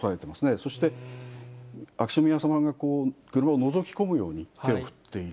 そして秋篠宮さまが車をのぞき込むように手を振っている。